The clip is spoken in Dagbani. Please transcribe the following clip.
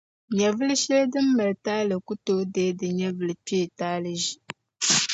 Nyɛvuli shεli din mali taali ku tooi deei di nyɛvuli kpee taali ʒi.